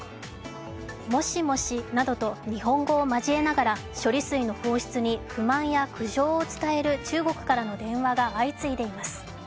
「モシモシ」などと日本語を交えながら処理水の放出に不満や苦情を伝える中国からの電話が相次いでいます。